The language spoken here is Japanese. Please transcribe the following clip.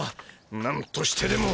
何としてでも。